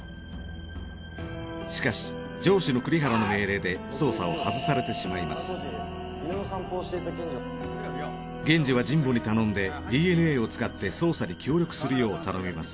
しかし上司の栗原の命令で源次は神保に頼んでＤＮＡを使って捜査に協力するよう頼みます。